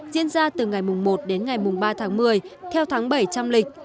diễn ra từ ngày một đến ngày ba tháng một mươi theo tháng bảy trăm linh lịch